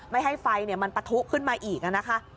ไม่ให้ไฟมันปะทุขึ้นมาอีกนะคะ